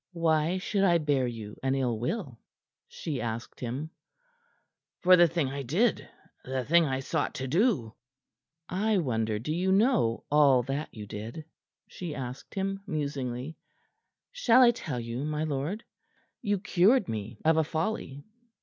"Why should I bear you an ill will?" she asked him. "For the thing I did the thing I sought to do." "I wonder do you know all that you did?" she asked him, musingly. "Shall I tell you, my lord? You cured me of a folly.